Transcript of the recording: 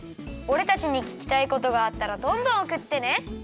おれたちにききたいことがあったらどんどんおくってね！